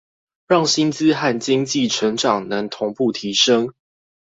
讓薪資和經濟成長能同步提升